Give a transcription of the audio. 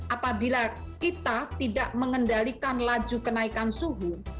apabila kita tidak mengendalikan laju kenaikan suhu